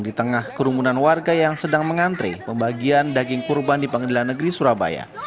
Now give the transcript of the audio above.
di tengah kerumunan warga yang sedang mengantre pembagian daging kurban di pengadilan negeri surabaya